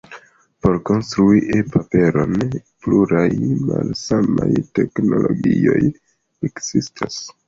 Por konstrui e-paperon, pluraj malsamaj teknologioj ekzistas.